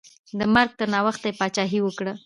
د مرګ تر وخته یې پاچاهي وکړه.